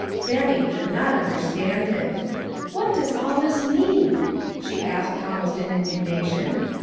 Fannie could not understand it." "What does all this mean?" she asked almost in indignation.